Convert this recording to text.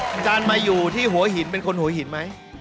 อาจารย์มาอยู่ที่หัวหินเป็นคนหัวหินไหม